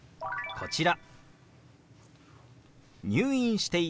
こちら。